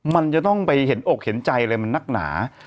มันจะต้องไปเห็นอกเห็นใจอะไรมันนักหนา